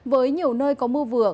với nhiều nơi có mưa vừa